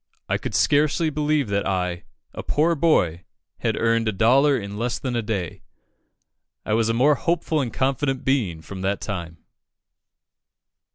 I could scarcely believe that I, a poor boy, had earned a dollar in less than a day. I was a more hopeful and confident being from that time."